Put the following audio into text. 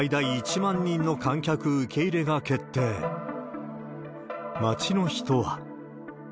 町の人は。